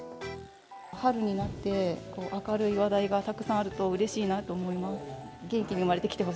春になって、明るい話題がたくさんあるとうれしいなと思います。